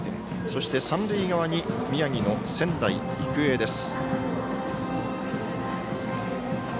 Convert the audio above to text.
そして、三塁側に宮城、仙台育英です。